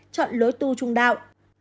chọn lối tu trung đạo